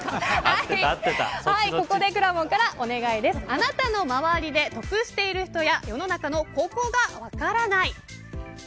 あなたの周りで得している人や世の中のここが分からない